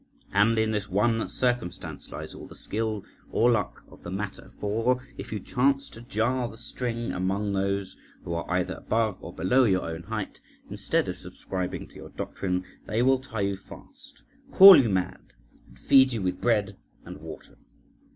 And in this one circumstance lies all the skill or luck of the matter; for, if you chance to jar the string among those who are either above or below your own height, instead of subscribing to your doctrine, they will tie you fast, call you mad, and feed you with bread and water.